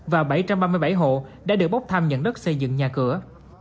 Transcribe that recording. và bảy trăm ba mươi bảy hộ đã được bốc thăm nhận đất xây dựng nhà cửa